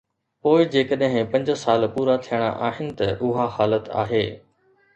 پوءِ جيڪڏهن پنج سال پورا ٿيڻا آهن ته اها حالت آهي.